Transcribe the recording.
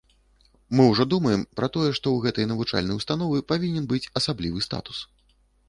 Мы ўжо думаем пра тое, што ў гэтай навучальнай установы павінен быць асаблівы статус.